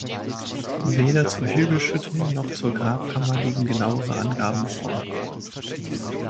Weder zur Hügelschüttung noch zur Grabkammer liegen genauere Angaben vor.